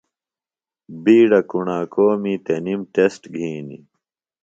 بِیڈہ کوݨاکومی تںِم ٹسٹ گِھینیۡ۔